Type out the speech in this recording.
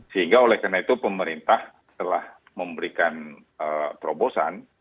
sehingga oleh karena itu pemerintah telah memberikan terobosan